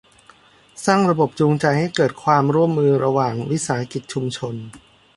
สร้างระบบจูงใจให้เกิดความร่วมมือระหว่างวิสาหกิจชุมชน